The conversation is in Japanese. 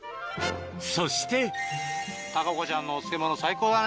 そして孝子ちゃんのお漬物最高だね。